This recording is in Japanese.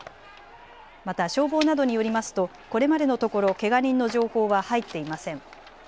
また消防などによりますとこれまでのところけが人の情報は入っていません。